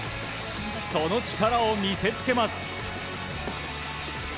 その力を見せつけます。